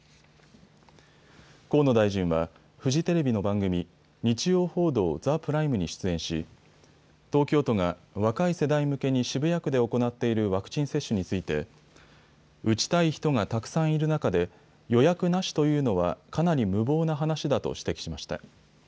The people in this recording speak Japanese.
河野大臣はフジテレビの番組、日曜報道ＴＨＥＰＲＩＭＥに出演し東京都が若い世代向けに渋谷区で行っているワクチン接種について打ちたい人がたくさんいる中で予約なしというのは、かなり無謀な話だと指摘しました。